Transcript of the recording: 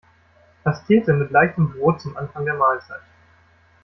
Pastete mit leichtem Brot zum Anfang der Mahlzeit.